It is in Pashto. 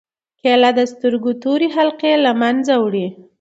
کېله د سترګو تور حلقې له منځه وړي.